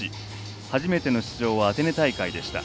初めての出場はアテネ大会でした。